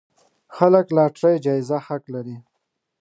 خلک لاټرۍ جايزه حق لري.